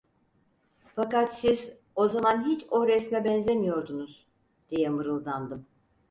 Fakat siz, o zaman hiç o resme benzemiyordunuz! diye mırıldandım.